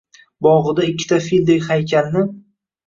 «Bog’ida ikkita fildek haykalni